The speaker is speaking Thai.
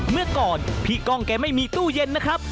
เมื่อก่อนพี่ก้องแกไม่มีตู้เย็นนะครับ